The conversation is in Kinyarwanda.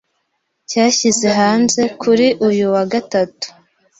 cyashyize hanze kuri uyu wa Gatatu